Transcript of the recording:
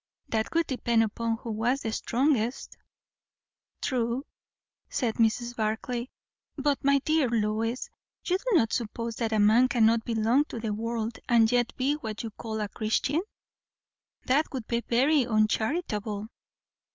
"That would depend upon who was the strongest." "True," said Mrs. Barclay. "But, my dear Lois! you do not suppose that a man cannot belong to the world and yet be what you call a Christian? That would be very uncharitable."